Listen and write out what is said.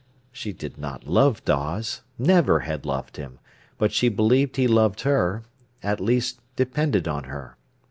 She did not love Dawes, never had loved him; but she believed he loved her, at least depended on her.